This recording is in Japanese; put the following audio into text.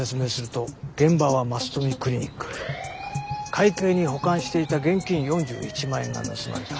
会計に保管していた現金４１万円が盗まれた。